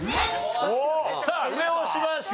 さあ上を押しました。